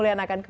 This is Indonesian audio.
baik siapkan ya